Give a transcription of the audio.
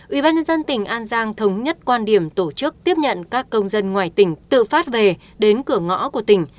ubnd tỉnh an giang thống nhất quan điểm tổ chức tiếp nhận các công dân ngoài tỉnh tự phát về đến cửa ngõ của tỉnh